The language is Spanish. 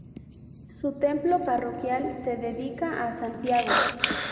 Su templo parroquial se dedica a Santiago.